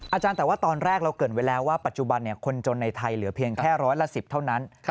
อาจารย์แต่ว่าตอนแรกเราเกิดไว้แล้วว่าปัจจุบันคนจนในไทยเหลือเพียงแค่ร้อยละ๑๐เท่านั้น